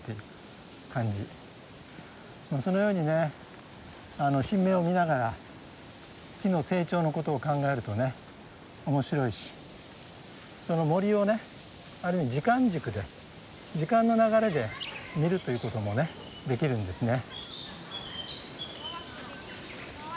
そのようにね新芽を見ながら木の成長のことを考えるとね面白いしその森をね時間軸で時間の流れで見るということもねできるんですね。